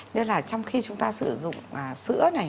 nên là trong khi chúng ta sử dụng sữa này